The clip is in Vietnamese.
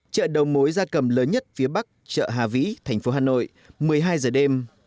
chợ đầu mối gia cầm lớn nhất phía bắc chợ hà vĩ thành phố hà nội một mươi hai giờ đêm